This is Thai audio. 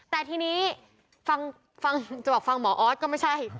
แต่ทีนี้ฟังจะบอกฟังหมอออสก็ไม่ใช่